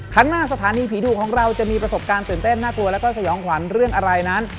ข้างหน้าสถานีผีดุของเราจะมีประสบการณ์ตื่นเต้นน่ากลัวแล้วก็สยองขวัญเรื่องอะไรนั้น